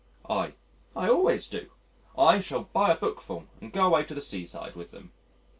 I: "I always do: I shall buy a bookful and go away to the seaside with them."